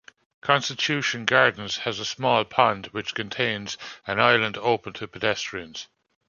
Constitution Gardens has a small pond, which contains an island open to pedestrians.